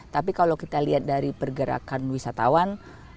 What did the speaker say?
tapi kalau kita lihat dari pergerakan wisatawan